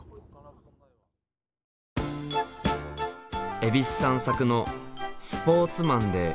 蛭子さん作の「スポーツマンで１０ぱい」。